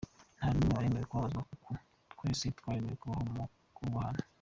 Nta n’umwe waremewe kubabazwa uku, twese twaremewe kubaho mu bwubahane.